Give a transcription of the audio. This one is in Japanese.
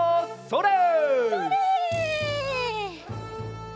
それ！